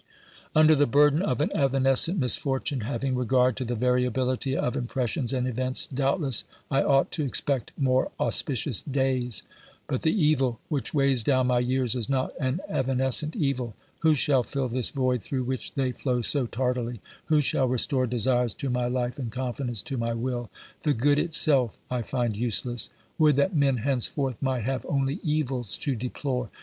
Under the burden of an evanescent misfortune, having regard to the variability of impressions and events, doubt less I ought to expect more auspicious days. But the evil which weighs down my years is not an evanescent evil. Who shall fill this void through which they flow so tardily ? Who shall restore desires to my life and confidence to my will? The good itself I find useless; would that men henceforth might have only evils to deplore